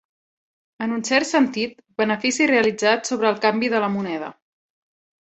En un cert sentit, benefici realitzat sobre el canvi de la moneda.